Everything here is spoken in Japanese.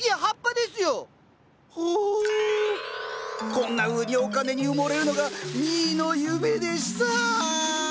こんなふうにお金に埋もれるのがミーの夢でした！